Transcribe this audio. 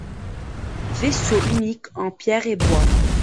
Vaisseau unique en pierre et bois.